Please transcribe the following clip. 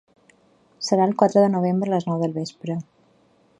Serà el quatre de novembre a les nou del vespre.